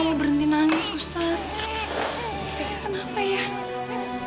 kau berhenti nangis ustadz